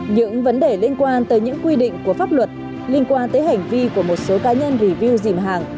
những vấn đề liên quan tới những quy định của pháp luật liên quan tới hành vi của một số cá nhân review dìm hàng